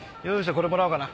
これもらおうかな。